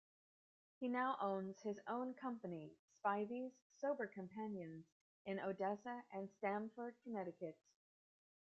He now owns his own company, Spivey's Sober Companions, in Odessa and Stamford, Connecticut.